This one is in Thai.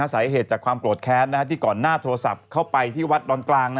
สาเหตุจากความโกรธแค้นที่ก่อนหน้าโทรศัพท์เข้าไปที่วัดดอนกลาง